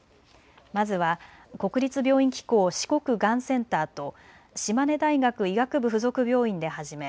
まずは国立病院機構四国がんセンターと島根大学医学部附属病院で始め